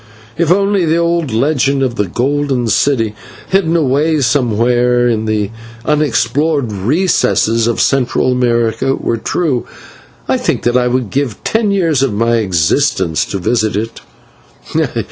If only the old legend of the Golden City, hidden away somewhere in the unexplored recesses of Central America, were true, I think that I would give ten years of my existence to visit it.